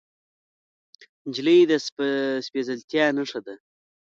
نجلۍ د سپیڅلتیا نښه ده.